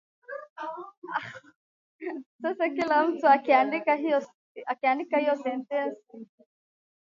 Sasa kila mtu akiandika hio sentensi